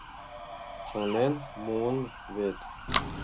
Шонен муын вет.